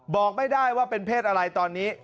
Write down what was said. บอกไม่ได้ว่าเป็นเพศอะไรตอนนี้